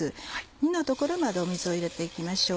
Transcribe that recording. ２の所まで水を入れていきましょう。